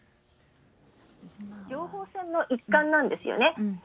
情報戦の一環なんですよね。